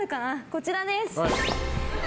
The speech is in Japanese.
こちらです。